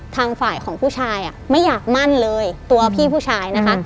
ทางฝ่ายของผู้ชายอ่ะไม่อยากมั่นเลยตัวพี่ผู้ชายนะคะ